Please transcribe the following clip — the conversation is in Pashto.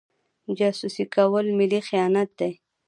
جاسوسي کول ملي خیانت دی.